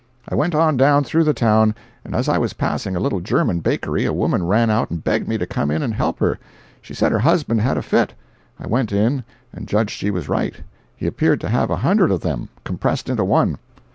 I went on down through the town, and as I was passing a little German bakery, a woman ran out and begged me to come in and help her. She said her husband had a fit. I went in, and judged she was right—he appeared to have a hundred of them, compressed into one.